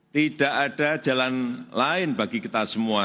tidak ada jalan lain bagi kita semua